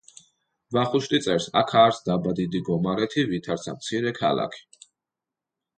ვახუშტი წერს: „აქა არს დაბა დიდი გომარეთი, ვითარცა მცირე ქალაქი“.